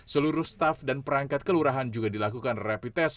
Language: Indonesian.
seluruh staff dan perangkat kelurahan juga dilakukan rapid test